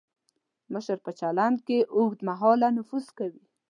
مشر په چلند کې اوږد مهاله نفوذ کوي.